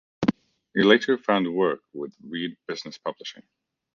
He later found work with Reed Business Publishing.